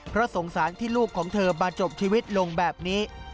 เพราะสงสารที่ลูกของเธอมาจบชีวิตลงแบบนี้